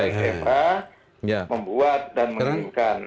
semua fh membuat dan mengerjakan